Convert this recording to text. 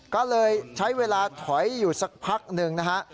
ก็เลยใช้เวลาถอยอยู่สักพักหนึ่งนะฮะ